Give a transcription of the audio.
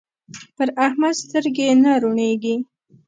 پر احمد سترګې نه روڼېږي.